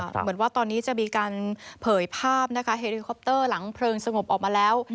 เหมือนว่าตอนนี้จะมีการเผยภาพนะคะเฮริคอปเตอร์หลังเพลิงสงบออกมาแล้ว